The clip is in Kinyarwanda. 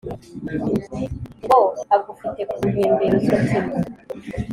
ngo agufite kumpembero zumutima.